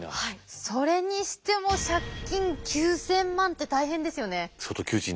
それにしても借金９，０００万って大変ですよね。